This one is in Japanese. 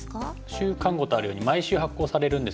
「週刊碁」とあるように毎週発行されるんですけども。